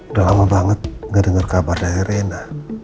udah lama banget gak denger kabar dari erina